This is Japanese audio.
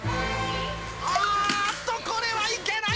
あーっと、これはいけない。